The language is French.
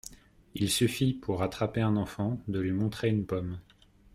Il suffit, pour attraper un enfant, de lui montrer une pomme.